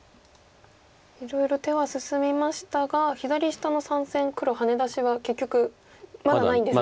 いろいろ手は進みましたが左下の３線黒ハネ出しは結局まだないんですね。